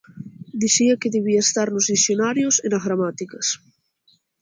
Dicía que debía estar nos dicionarios e nas gramáticas.